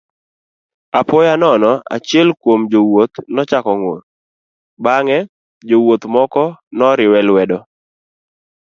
Apoya nono achiel kuom jowuoth nochako ng'ur bang'e jowuoth moko noriwe lwedo.